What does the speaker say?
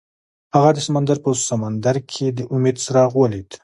هغه د سمندر په سمندر کې د امید څراغ ولید.